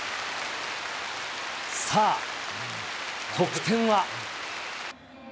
さあ、得点は。